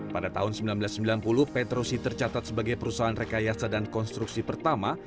pada tahun seribu sembilan ratus sembilan puluh petrosi tercatat sebagai perusahaan rekayasa dan konstruksi pertama